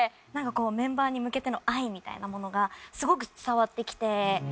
メンバーに向けての愛みたいなものがすごく伝わってきて。